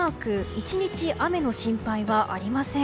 １日、雨の心配はありません。